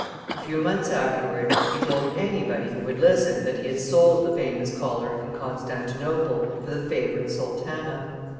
A few months afterwards he told anybody who would listen that he had sold the famous collar in Constantinople for the favorite sultana.